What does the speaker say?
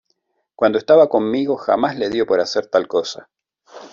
Cuando estaba conmigo jamás le dio por hacer tal cosa".